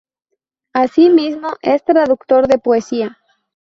Así mismo, es traductor de poesía.